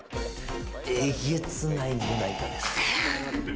えげつない胸板です。